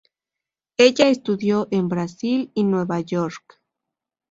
Ella estudió en Brasil y Nueva York.